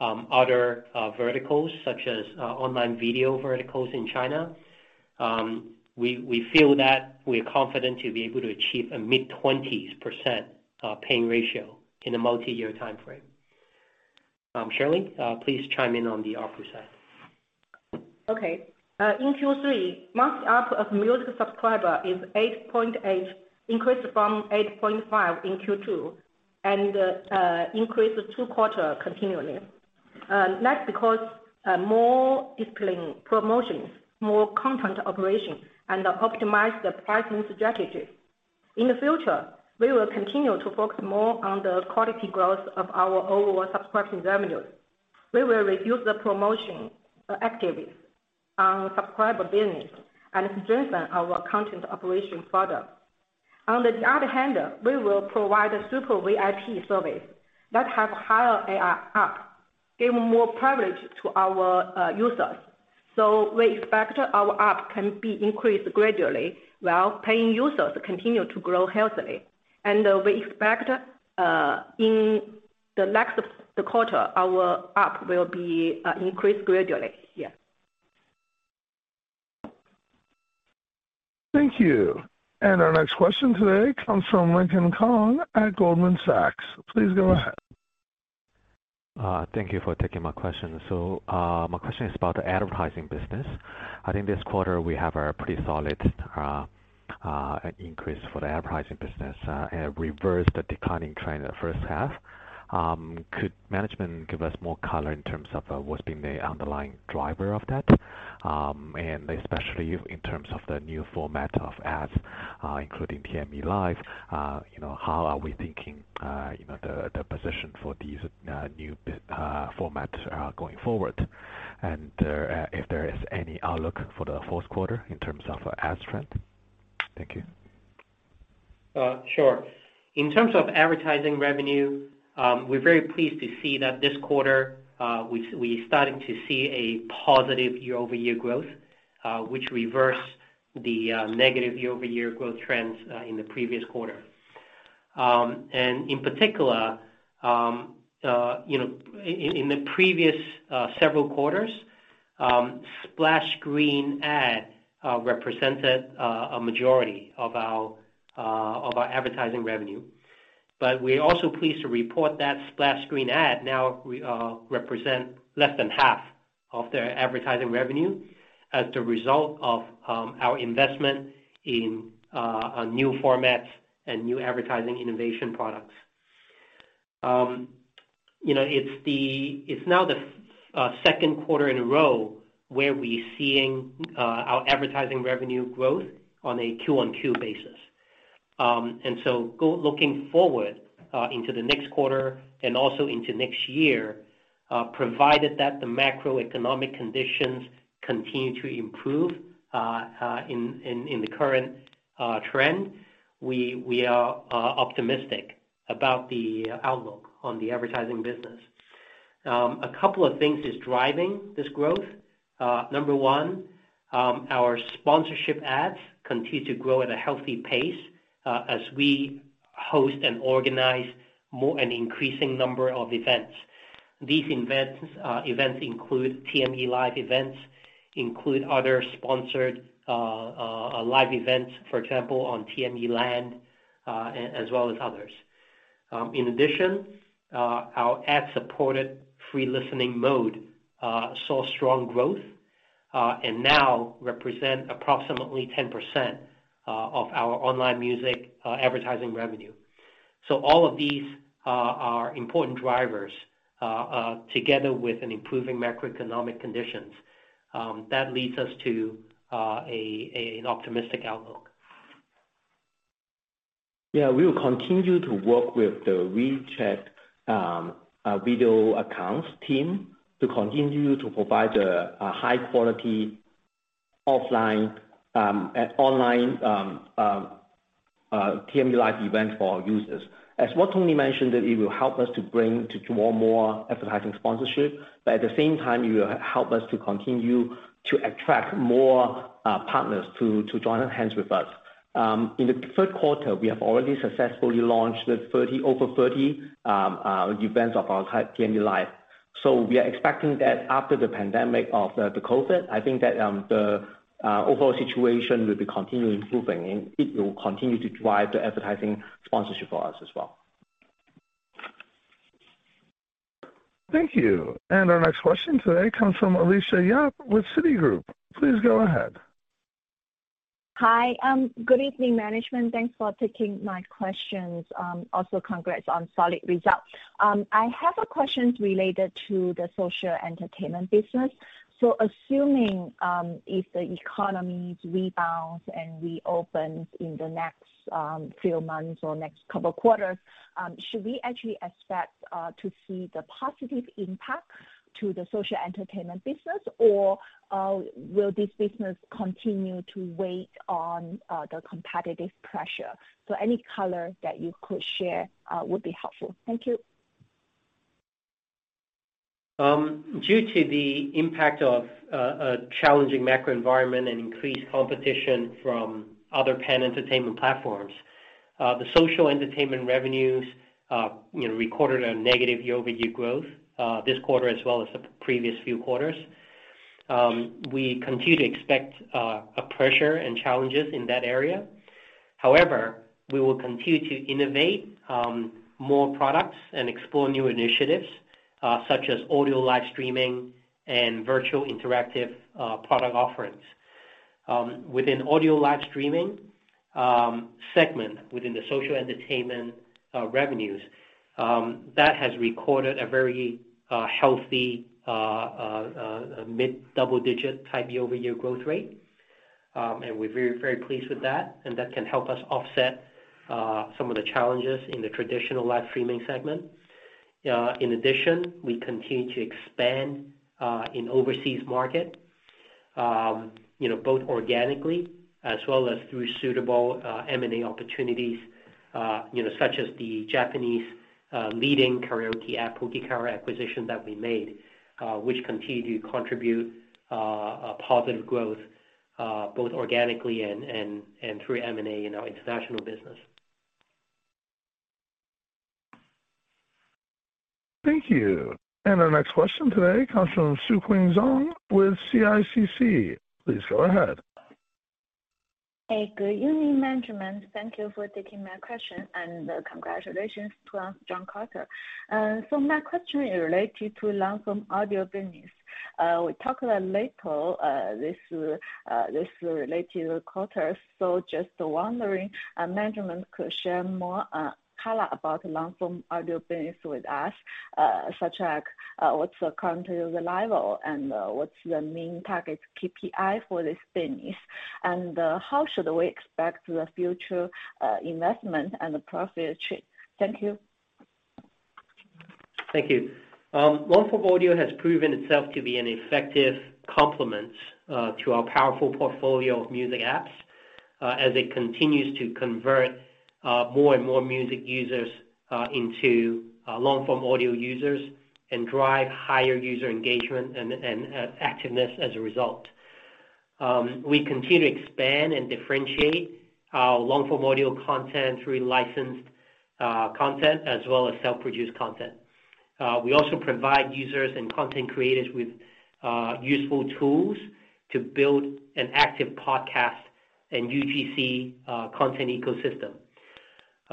B: other verticals such as online video verticals in China, we feel that we're confident to be able to achieve a mid-20s% paying ratio in a multi-year timeframe. Shirley, please chime in on the ARPU side.
E: Okay. In Q3, monthly ARPU of music subscriber is 8.8, increased from 8.5 in Q2, and increased two quarters continually. That's because more disciplined promotions, more content operation, and optimize the pricing strategies. In the future, we will continue to focus more on the quality growth of our overall subscription revenues. We will reduce the promotion activities on subscriber business and strengthen our content operation product. On the other hand, we will provide a Super VIP service that have higher ARPU, giving more privilege to our users. We expect our ARPU can be increased gradually while paying users continue to grow healthily. We expect in the next quarter, our ARPU will be increased gradually.
A: Thank you. Our next question today comes from Lincoln Khan at Goldman Sachs. Please go ahead.
H: Thank you for taking my question. My question is about the advertising business. I think this quarter we have a pretty solid increase for the advertising business, and it reversed the declining trend in the first half. Could management give us more color in terms of what's been the underlying driver of that? Especially in terms of the new format of ads, including TME Live, you know, how are we thinking, you know, the position for these new formats going forward? If there is any outlook for the fourth quarter in terms of ads trend. Thank you.
B: Sure. In terms of advertising revenue, we're very pleased to see that this quarter, we're starting to see a positive year-over-year growth, which reversed the negative year-over-year growth trends in the previous quarter. In particular, you know, in the previous several quarters, splash screen ad represented a majority of our advertising revenue. We're also pleased to report that splash screen ad now represent less than half of the advertising revenue as the result of our investment in a new format and new advertising innovation products. You know, it's now the second quarter in a row where we're seeing our advertising revenue growth on a Q-on-Q basis. Looking forward into the next quarter and also into next year, provided that the macroeconomic conditions continue to improve in the current trend, we are optimistic about the outlook on the advertising business. A couple of things is driving this growth. Number one, our sponsorship ads continue to grow at a healthy pace as we host and organize more and increasing number of events. These events include TME Live events, other sponsored live events, for example, on TMELAND as well as others. In addition, our ad-supported free listening mode saw strong growth and now represent approximately 10% of our online music advertising revenue. All of these are important drivers, together with an improving macroeconomic conditions, that leads us to an optimistic outlook.
C: Yeah, we will continue to work with the WeChat Video Accounts team to continue to provide a high quality online TME Live event for our users. As Tony mentioned, it will help us to bring more advertising sponsorship, but at the same time, it will help us to continue to attract more partners to join hands with us. In the third quarter, we have already successfully launched over 30 events of our TME Live. We are expecting that after the pandemic of the COVID-19, the overall situation will be continually improving, and it will continue to drive the advertising sponsorship for us as well.
A: Thank you. Our next question today comes from Alicia Yap with Citigroup. Please go ahead.
I: Hi. Good evening, management. Thanks for taking my questions. Also congrats on solid results. I have a questions related to the social entertainment business. Assuming, if the economy rebounds and reopens in the next, few months or next couple quarters, should we actually expect, to see the positive impact to the social entertainment business or, will this business continue to weigh on, the competitive pressure? Any color that you could share, would be helpful. Thank you.
B: Due to the impact of a challenging macro environment and increased competition from other pan-entertainment platforms, the social entertainment revenues, you know, recorded a negative year-over-year growth this quarter as well as the previous few quarters. We continue to expect a pressure and challenges in that area. However, we will continue to innovate more products and explore new initiatives, such as audio live streaming and virtual interactive product offerings. Within audio live streaming segment within the social entertainment revenues, that has recorded a very mid-double-digit type year-over-year growth rate. We're very, very pleased with that, and that can help us offset some of the challenges in the traditional live streaming segment. In addition, we continue to expand in overseas market, you know, both organically as well as through suitable M&A opportunities, you know, such as the Japanese leading karaoke app, Pokekara acquisition that we made, which continue to contribute a positive growth both organically and through M&A in our international business.
A: Thank you. Our next question today comes from Su Quinn Zhong with CICC. Please go ahead.
J: Hey, good evening, management. Thank you for taking my question, and congratulations to John Carter. My question is related to long-form audio business. We talked a little this quarter. Just wondering, management could share more color about long-form audio business with us, such as what's the current scale and what's the main target KPI for this business? How should we expect the future investment and the profitability? Thank you.
B: Thank you. Long-form audio has proven itself to be an effective complement to our powerful portfolio of music apps, as it continues to convert more and more music users into long-form audio users and drive higher user engagement and activeness as a result. We continue to expand and differentiate our long-form audio content through licensed content as well as self-produced content. We also provide users and content creators with useful tools to build an active podcast and UGC content ecosystem.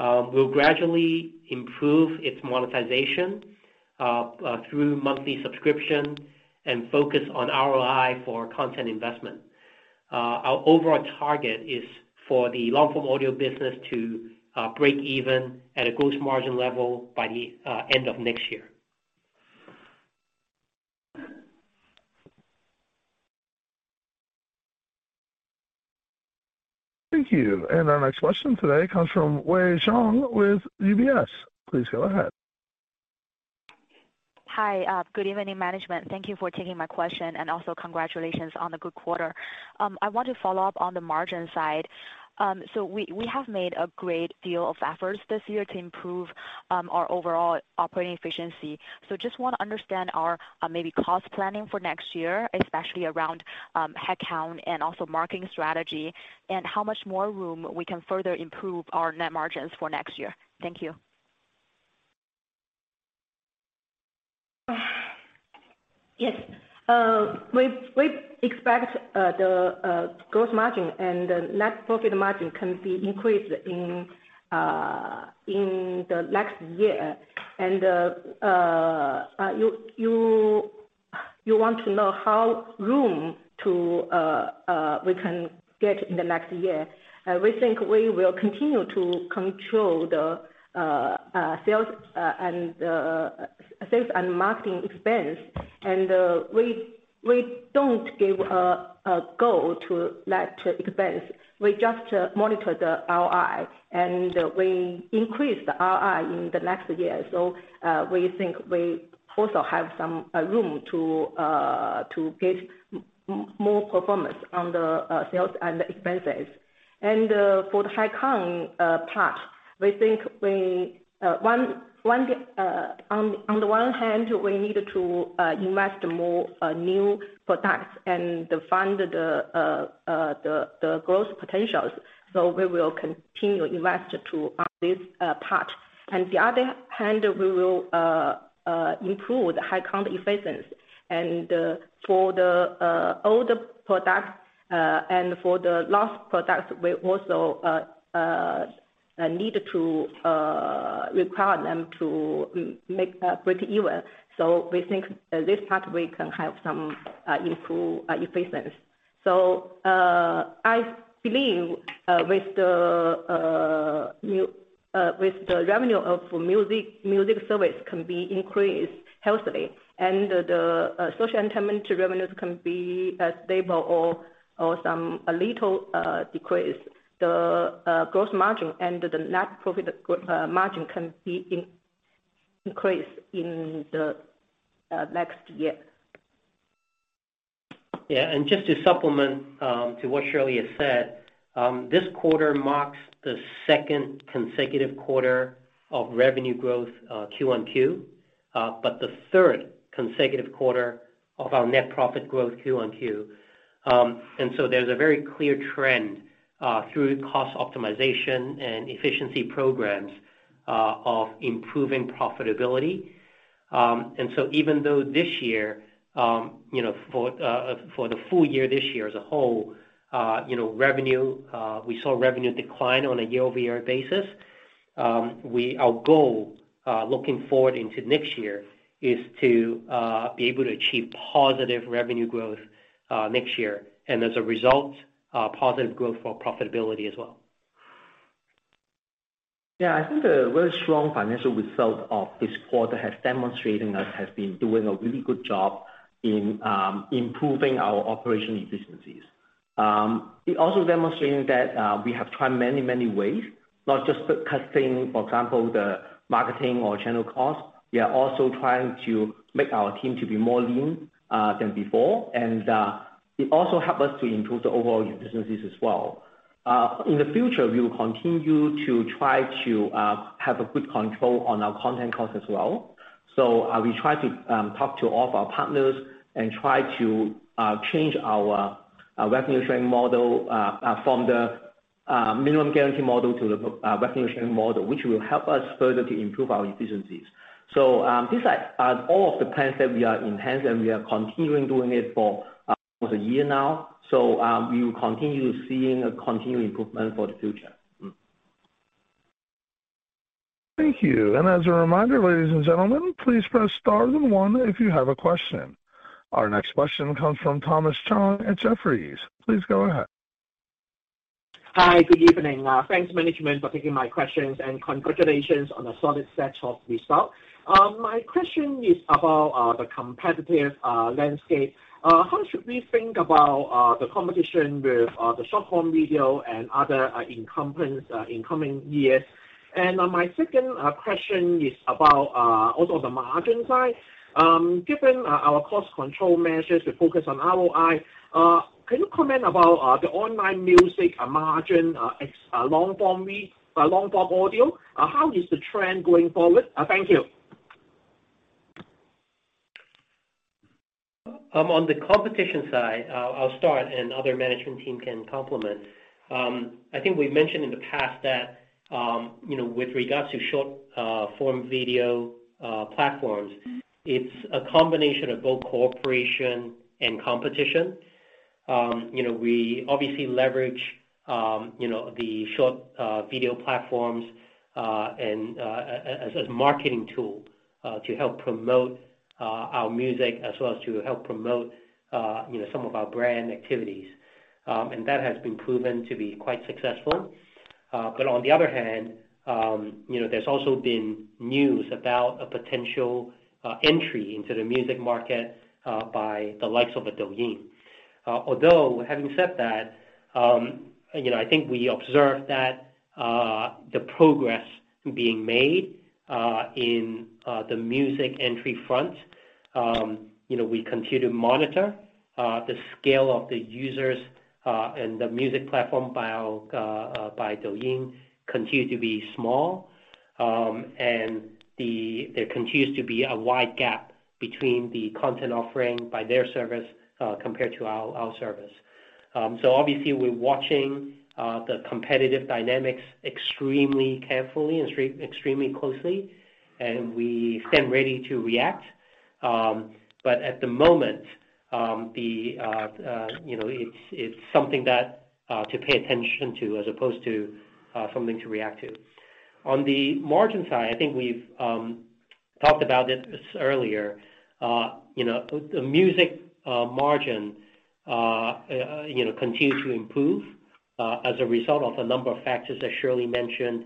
B: We'll gradually improve its monetization through monthly subscription and focus on ROI for content investment. Our overall target is for the long-form audio business to break even at a gross margin level by the end of next year.
A: Thank you. Our next question today comes from Wei Xiong with UBS. Please go ahead.
K: Hi. Good evening, management. Thank you for taking my question, and also congratulations on the good quarter. I want to follow up on the margin side. We have made a great deal of efforts this year to improve our overall operating efficiency. Just want to understand our maybe cost planning for next year, especially around headcount and also marketing strategy, and how much more room we can further improve our net margins for next year. Thank you.
E: Yes. We expect the gross margin and the net profit margin can be increased in the next year. You want to know how much room we can get in the next year. We think we will continue to control the sales and marketing expense. We don't give a goal to that expense. We just monitor the ROI, and we increase the ROI in the next year. We think we also have some room to get more performance on the sales and expenses. For the high cost part, we think on the one hand we need to invest more in new products and fund the growth potentials. We will continue to invest in this part. On the other hand, we will improve the cost efficiency. For the older products and for the mature products, we also need to require them to break even. We think this part we can have some improved efficiency. I believe with the revenue of the music service can be increased healthily and the social entertainment revenues can be stable or a little decrease. The gross margin and the net profit margin can be increased in the next year.
B: Yeah. Just to supplement to what Shirley has said, this quarter marks the second consecutive quarter of revenue growth, Q -on-Q, but the third consecutive quarter of our net profit growth Q on Q. There's a very clear trend through cost optimization and efficiency programs of improving profitability. Even though this year, you know, for the full year this year as a whole, you know, revenue, we saw revenue decline on a year-over-year basis. Our goal looking forward into next year is to be able to achieve positive revenue growth next year. As a result, positive growth for profitability as well.
C: Yeah. I think the very strong financial result of this quarter has demonstrated that we have been doing a really good job in improving our operational efficiencies. It also demonstrates that we have tried many ways, not just the cutting, for example, the marketing or general costs. We are also trying to make our team to be more lean than before. It also helps us to improve the overall efficiencies as well. In the future, we will continue to try to have a good control on our content costs as well. We try to talk to all of our partners and try to change our revenue sharing model from the minimum guarantee model to the revenue sharing model, which will help us further to improve our efficiencies. These are all of the plans that we are enhanced, and we are continuing doing it for almost a year now. We will continue seeing a continued improvement for the future.
A: Thank you. As a reminder, ladies and gentlemen, please press star then one if you have a question. Our next question comes from Thomas Chong at Jefferies. Please go ahead.
L: Hi. Good evening. Thanks management for taking my questions, and congratulations on a solid set of results. My question is about the competitive landscape. How should we think about the competition with the short-form video and other incumbents in coming years? My second question is about also the margin side. Given our cost control measures to focus on ROI, can you comment about the online music margin ex long-form audio? How is the trend going forward? Thank you.
B: On the competition side, I'll start and other management team can complement. I think we've mentioned in the past that, you know, with regards to short form video platforms, it's a combination of both cooperation and competition. You know, we obviously leverage, you know, the short video platforms and as marketing tool to help promote our music as well as to help promote, you know, some of our brand activities. That has been proven to be quite successful. On the other hand, you know, there's also been news about a potential entry into the music market by the likes of a Douyin. Although having said that, you know, I think we observed that the progress being made in the music industry front. You know, we continue to monitor the scale of the users and the music platform by Douyin continue to be small. There continues to be a wide gap between the content offering by their service compared to our service. Obviously we're watching the competitive dynamics extremely carefully and extremely closely, and we stand ready to react. At the moment, you know, it's something to pay attention to as opposed to something to react to. On the margin side, I think we've talked about it earlier. You know, the music margin, you know, continue to improve, as a result of a number of factors as Shirley mentioned.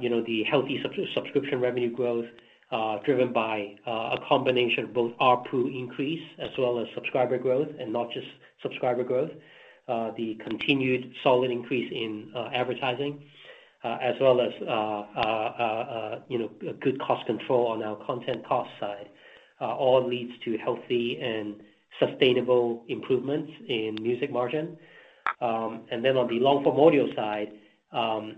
B: You know, the healthy subscription revenue growth, driven by a combination of both ARPU increase as well as subscriber growth and not just subscriber growth. The continued solid increase in advertising, as well as, you know, a good cost control on our content cost side, all leads to healthy and sustainable improvements in music margin. On the long-form audio side, you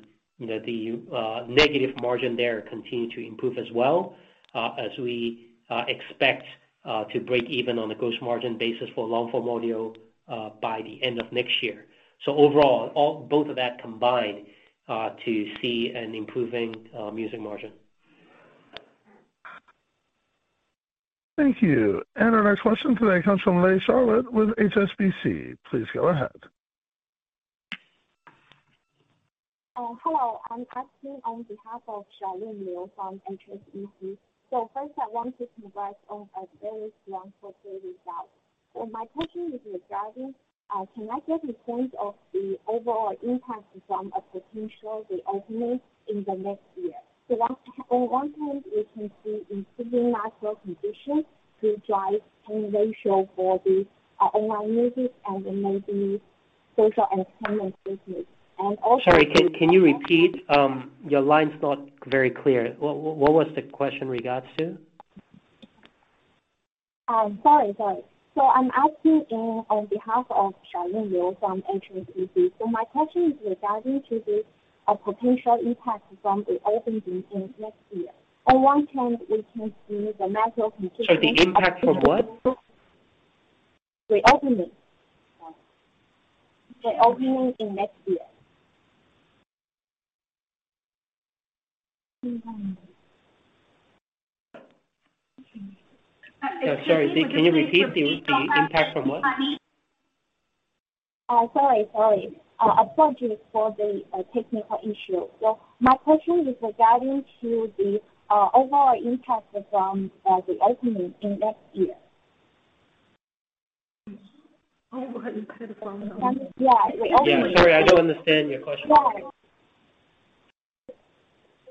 B: know, the negative margin there continue to improve as well, as we expect to break even on a gross margin basis for long-form audio, by the end of next year. Overall, both of that combined to see an improving music margin.
A: Thank you. Our next question today comes from Charlene Liu with HSBC. Please go ahead.
M: Hello. I'm asking on behalf of Charlene Liu from HSBC. First I want to congratulate on a very strong quarter results. My question is regarding, can I get your point of view on the overall impact from a potential reopening in the next year? On one hand, we can see improving macro conditions to drive paying ratio for the online music and social entertainment business.
B: Sorry, can you repeat? Your line's not very clear. What was the question in regards to?
M: Sorry. I'm asking on behalf of Charlene Liu from HSBC. My question is regarding the potential impact from reopening in next year. On one hand, we can see the natural conditions.
B: Sorry, the impact from what?
M: Reopening in next year.
B: Sorry, can you repeat the impact from what?
M: Sorry. Apologies for the technical issue. My question is regarding to the overall impact from the opening in next year.
A: Overall impact from-
M: Yeah, the opening.
B: Yeah. Sorry, I don't understand your question.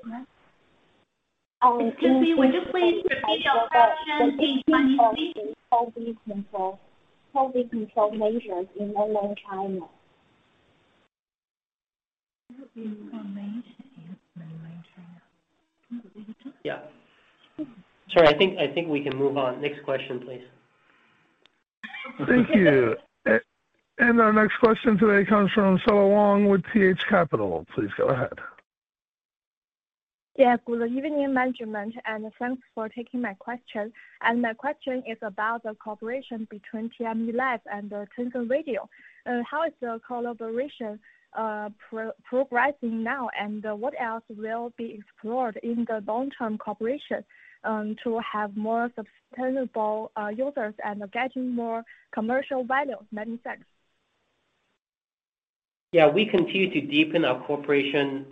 M: Yeah.
A: Excuse me. Would you please repeat your question, please?
M: COVID-19 control measures in mainland China.
A: COVID control measures in mainland China.
B: Yeah. Sorry, I think we can move on. Next question please.
A: Thank you. Our next question today comes from Su Long with TH Capital. Please go ahead.
N: Yeah, good evening management, and thanks for taking my question. My question is about the cooperation between TME Live and the Tencent Video. How is the collaboration progressing now, and what else will be explored in the long-term cooperation to have more sustainable users and getting more commercial value made, in fact?
B: Yeah. We continue to deepen our cooperation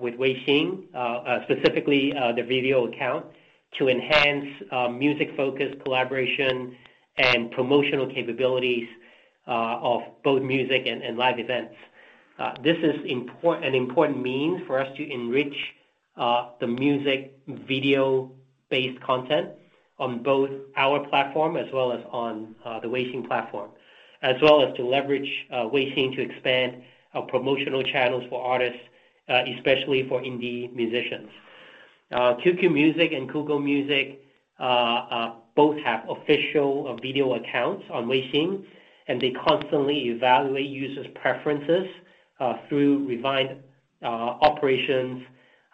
B: with Weixin, specifically the video account, to enhance music-focused collaboration and promotional capabilities of both music and live events. This is an important means for us to enrich the music video-based content on both our platform as well as on the Weixin platform. As well as to leverage Weixin to expand our promotional channels for artists, especially for indie musicians. QQ Music and Kugou Music both have official video accounts on Weixin, and they constantly evaluate users' preferences through revised operations,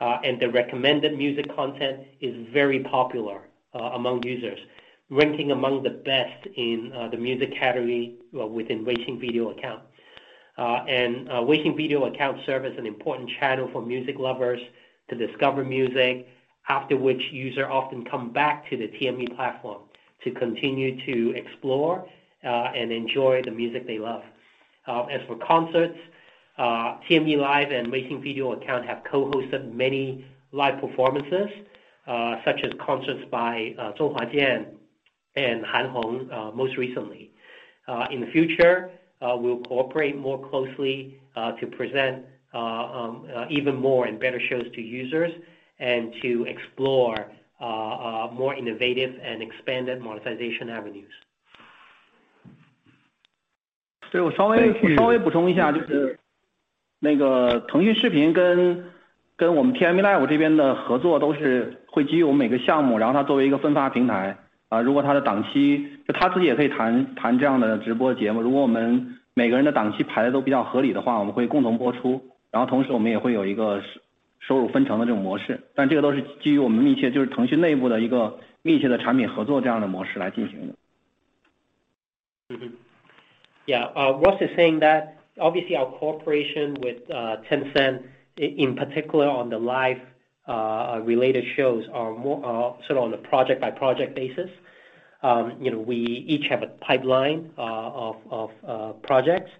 B: and the recommended music content is very popular among users, ranking among the best in the music category within Weixin video account. Weixin Video Account serves as an important channel for music lovers to discover music, after which users often come back to the TME platform to continue to explore and enjoy the music they love. As for concerts, TME Live and Weixin Video Account have co-hosted many live performances, such as concerts by Zhou Huajian and Han Hong, most recently. In the future, we'll cooperate more closely to present even more and better shows to users and to explore more innovative and expanded monetization avenues.
D: Thank you.
B: Yeah. Ross is saying that obviously our cooperation with Tencent in particular on the live related shows are more sort of on the project-by-project basis. You know, we each have a pipeline of projects,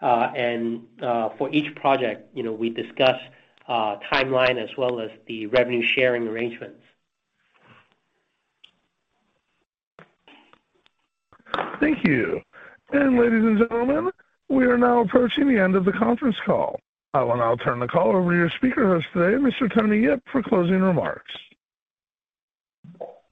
B: and for each project, you know, we discuss timeline as well as the revenue sharing arrangements.
A: Thank you. Ladies and gentlemen, we are now approaching the end of the conference call. I will now turn the call over to your speaker host today, Mr. Tony Yip, for closing remarks.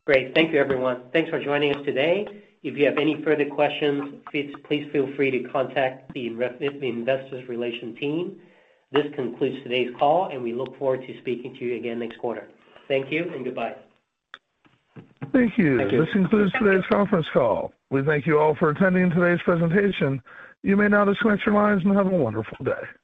B: Great. Thank you, everyone. Thanks for joining us today. If you have any further questions, please feel free to contact the investor relations team. This concludes today's call, and we look forward to speaking to you again next quarter. Thank you and goodbye.
A: Thank you.
B: Thank you.
A: This concludes today's conference call. We thank you all for attending today's presentation. You may now disconnect your lines and have a wonderful day.